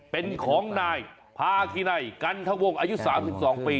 เป็นของนายพาคินัยกันทะวงอายุ๓๒ปี